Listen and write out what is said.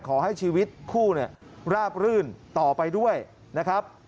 ขอให้ชีวิตคู่เนี่ยราบรื่นต่อไปด้วยนะครับ